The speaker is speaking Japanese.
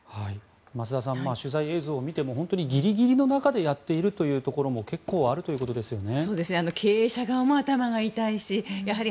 増田さん取材映像を見ても本当にギリギリの中でやっているというところも結構あるということですよね。